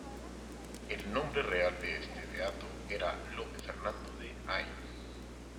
El nombre real de este beato era Lope Fernando de Ayn.